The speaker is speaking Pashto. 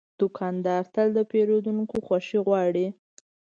دوکاندار تل د پیرودونکو خوښي غواړي.